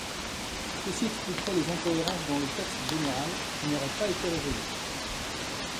Ceci expliquerait les incohérences dans le texte général qui n'auraient pas été résolues.